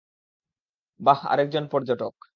বাহ, আরেকজন পর্যটক।